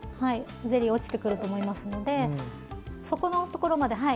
ゼリー落ちてくると思いますので底のところまで。